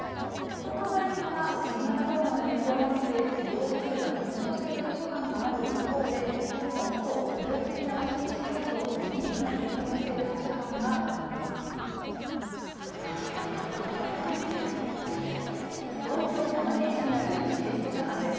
ここ最近は新型コロナの影響もあって利用者数が減少している図書館がある一方でもっと魅力的な場所にしようとユニークな取り組みをしている図書館があるんです。